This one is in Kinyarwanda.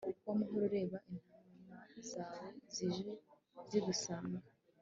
w'amahoro, reba intama zawe, zije zigusanga